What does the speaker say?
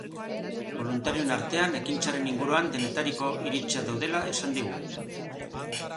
Boluntarioen artean, ekintzaren inguruan denetariko iritziak daudela esan digu.